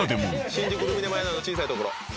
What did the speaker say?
新宿ルミネ前の小さい所。